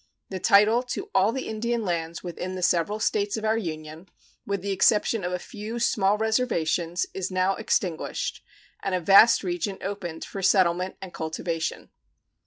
The title to all the Indian lands within the several States of our Union, with the exception of a few small reservations, is now extinguished, and a vast region opened for settlement and cultivation.